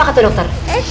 apa kata dokter